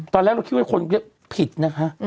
ตอนแรกเราคิดว่าคนผิดนะคะ